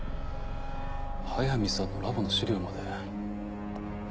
速水さんのラボの資料まで。